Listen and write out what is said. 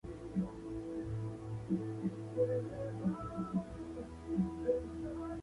Es la única deidad femenina de la mitología dinka.